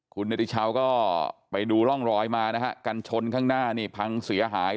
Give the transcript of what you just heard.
คุณเนติชาวก็ไปดูร่องรอยมานะฮะกันชนข้างหน้านี่พังเสียหาย